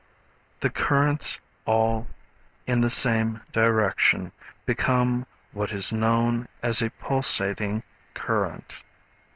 The currents all in the same direction, become what is known as a pulsating current.